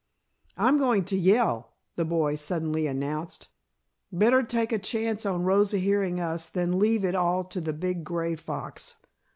"I'm going to yell," the boy suddenly announced. "Better take a chance on Rosa hearing us than leave it all to the big gray fox."